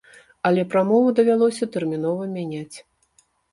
Але прамову давялося тэрмінова мяняць.